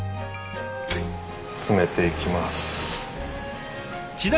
詰めていきます。